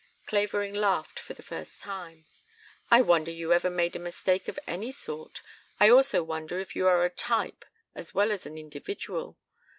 '" Clavering laughed for the first time. "I wonder you ever made a mistake of any sort. I also wonder if you are a type as well as an individual?